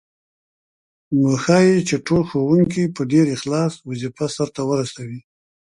نو ښايي چې ټول ښوونکي په ډېر اخلاص وظیفه سرته ورسوي.